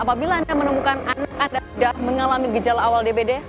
apabila anda menemukan anak anda sudah mengalami gejala awal dbd